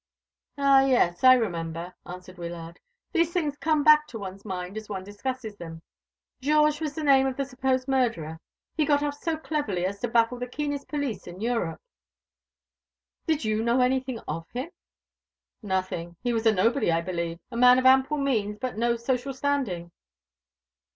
"Ah, yes, I remember," answered Wyllard. "These things come back to one's mind as one discusses them. Georges was the name of the supposed murderer. He got off so cleverly as to baffle the keenest police in Europe." "Did you know any thing of him?" "Nothing. He was a nobody, I believe. A man of ample means, but of no social standing."